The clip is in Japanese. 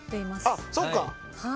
あっそっか。